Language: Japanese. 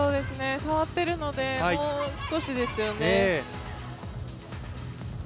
触ってるので、もう少しですよね。